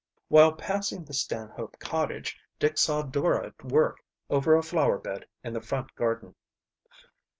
While passing the Stanhope cottage Dick saw Dora at work over a flower bed in the front garden.